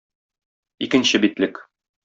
Икенче битлек.